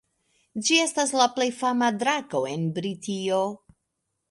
Ĝi estas la plej fama drako en Britio.